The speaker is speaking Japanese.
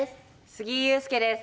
杉井勇介です。